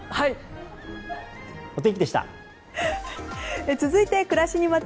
お天気でした。